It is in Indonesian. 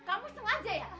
kamu sengaja ya